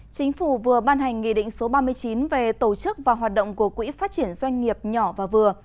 chính phủ vừa ban hành nghị định số ba mươi chín về tổ chức và hoạt động của quỹ phát triển doanh nghiệp nhỏ và vừa